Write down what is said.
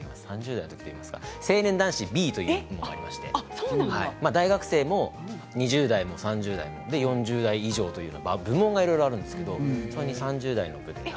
３０代のときというか成年男子Ｂというのがありまして大学生も２０代も３０代も４０代以上と部門がいろいろあるんですけれども３０代の部に。